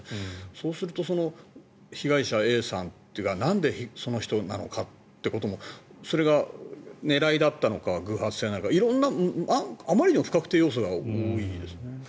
そうすると、被害者Ａさんというなんでその人なのかってこともそれが狙いだったのか偶発性なのかあまりにも不確定要素が多いですよね。